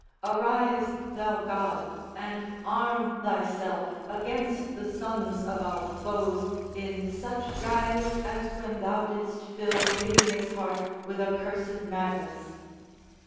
Arise, thou god, and arm thyself against the sons of our foes in such guise as when thou didst fill Medea's heart with accursed madness.